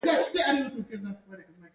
د ټولنې ټولې اقتصادي چارې د دوی په لاس کې دي